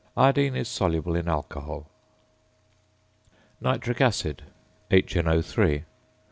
Iodine is soluble in alcohol. ~Nitric Acid, HNO_.~ (Sp.